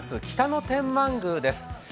北野天満宮です。